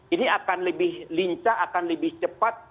ini akan lebih lincah akan lebih cepat